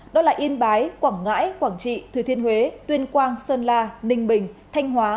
đó là yên bái quảng ngãi quảng trị thừa thiên huế tuyên quang sơn la ninh bình thanh hóa